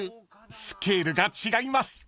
スケールが違います］